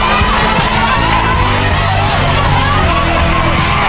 ครอบครัวของแม่ปุ้ยจังหวัดสะแก้วนะครับ